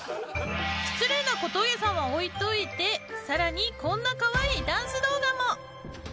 失礼な小峠さんは置いといてさらにこんなかわいいダンス動画も。